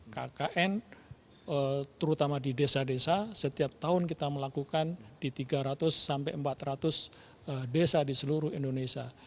kkn terutama di desa desa setiap tahun kita melakukan di tiga ratus sampai empat ratus desa di seluruh indonesia